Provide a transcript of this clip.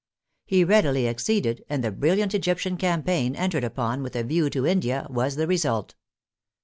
He readily acceded, and the brilliant Egyptian campaign entered upon with a view to India, was the result.